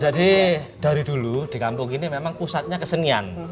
jadi dari dulu di kampung ini memang pusatnya kesenian